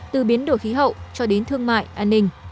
từ biến đổi khí hậu cho đến thương mại an ninh